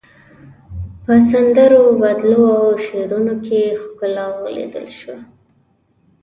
په سندرو، بدلو او شعرونو کې ښکلا وليدل شوه.